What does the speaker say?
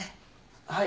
はい。